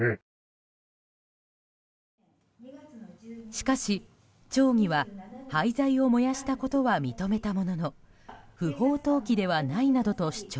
しかし、町議は廃材を燃やしたことは認めたものの不法投棄ではないなどと主張。